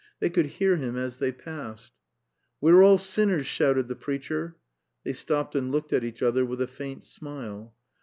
They could hear him as they passed. "We're all sinners," shouted the preacher. (They stopped and looked at each other with a faint smile.